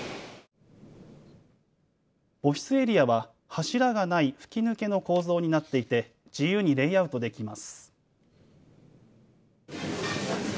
オフィスエリアは柱がない吹き抜けの構造になっていて自由にレイアウトできます。